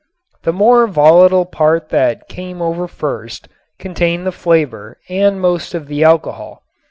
The more volatile part that came over first contained the flavor and most of the alcohol.